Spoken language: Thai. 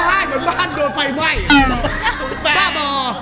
เหมือนบ้านโดนไฟไหม่